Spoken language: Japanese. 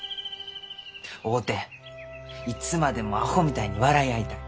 会うていつまでもアホみたいに笑い合いたい。